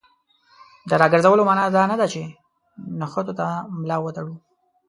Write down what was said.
د راګرځولو معنا دا نه ده چې نښتو ته ملا وتړو.